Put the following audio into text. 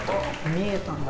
見えたんだ。